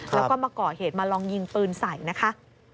แล้วก็มาก่อเหตุมาลองยิงปืนใส่นะคะ